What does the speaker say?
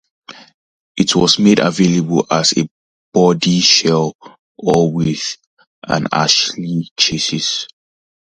It was made available as a bodyshell or with an Ashley chassis.